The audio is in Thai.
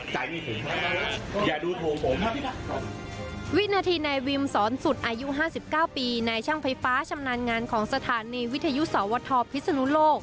วินาทีนายวิมสอนสุดอายุ๕๙ปีนายช่างไฟฟ้าชำนาญงานของสถานีวิทยุสวทพิศนุโลก